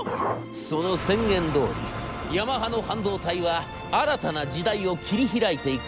その宣言どおりヤマハの半導体は新たな時代を切り開いていくのでございます。